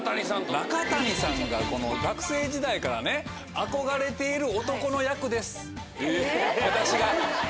中谷さんが学生時代から憧れている男の役です私が。